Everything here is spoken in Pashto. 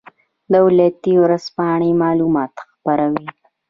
دولتي ورځپاڼې معلومات خپروي